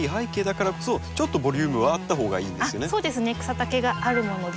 草丈があるもので。